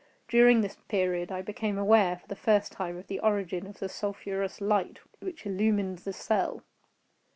During this period, I became aware, for the first time, of the origin of the sulphurous light which illumined the cell.